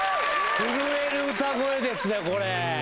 震える歌声ですね、これ。